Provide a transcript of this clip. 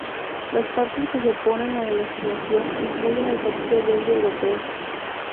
Las partes que se oponen a la legislación incluyen al Partido Verde Europeo.